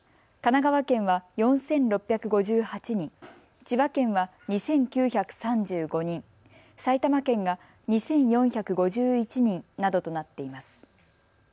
神奈川県は４６５８人、千葉県は２９３５人、埼玉県が２４５１人などとなっています。